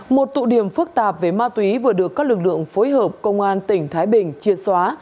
một tụ điểm phức tạp về ma túy vừa được các lực lượng phối hợp công an tp hcm chia xóa